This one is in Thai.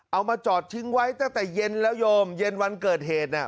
เอามาจอดทิ้งไว้ตั้งแต่เย็นแล้วโยมเย็นวันเกิดเหตุเนี่ย